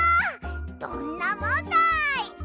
どんなもんだい！